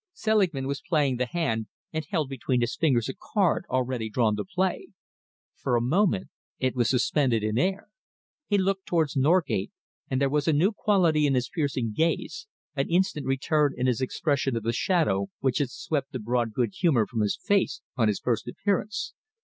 Selingman was playing the hand and held between his fingers a card already drawn to play. For a moment, it was suspended in the air. He looked towards Norgate, and there was a new quality in his piercing gaze, an instant return in his expression of the shadow which had swept the broad good humour from his face on his first appearance.